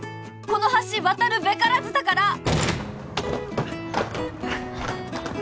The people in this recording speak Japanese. この橋渡るべからずだから！